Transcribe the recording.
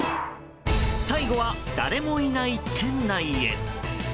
最後は誰もいない店内へ。